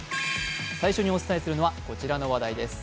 最初にお伝えするのは、こちらの話題です。